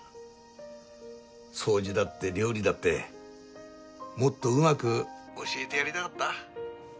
掃除だって料理だってもっとうまく教えてやりたかった。